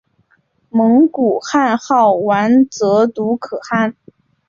蒙古汗号完泽笃可汗。